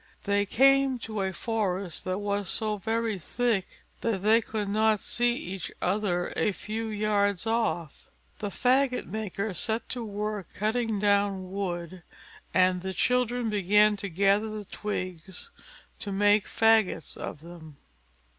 They came to a forest that was so very thick that they could not see each other a few yards off. The faggot maker set to work cutting down wood; and the children began to gather the twigs, to make faggots of them.